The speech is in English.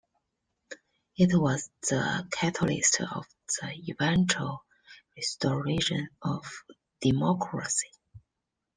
It was the catalyst of the eventual restoration of democracy.